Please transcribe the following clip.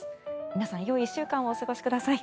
皆さん、よい１週間をお過ごしください。